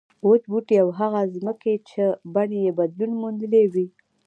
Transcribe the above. وچ بوټي او هغه ځمکې چې بڼې یې بدلون موندلی وي.